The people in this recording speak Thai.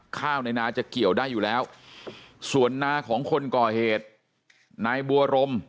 ข้าวในนาจะเกี่ยวได้อยู่แล้วส่วนนาของคนก่อเหตุนายบัวรม